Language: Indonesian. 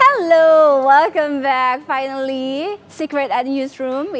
halo selamat datang kembali di secret art newsroom